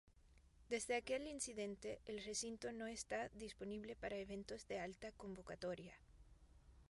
Desde aquel incidente, el recinto no está disponible para eventos de alta convocatoria.